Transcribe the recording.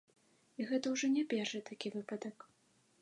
І гэта ўжо не першы такі выпадак.